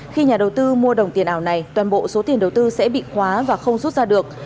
khi nhà đầu tư mua đồng tiền ảo này toàn bộ số tiền đầu tư sẽ bị khóa và không rút ra được